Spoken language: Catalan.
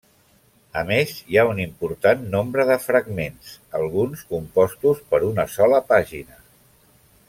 A més hi ha un important nombre de fragments, alguns compostos per una sola pàgina.